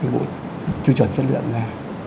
bộ tiêu chuẩn chất lượng ra